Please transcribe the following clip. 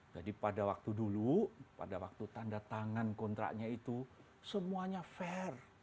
jadi pada waktu dulu pada waktu tanda tangan kontraknya itu semuanya fair